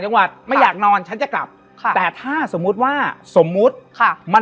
ยังปากแจวอยู่ป่ะ